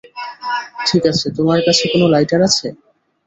ঠিক আছে, ঠিক আছে তোমার কাছে কোন লাইটার আছে?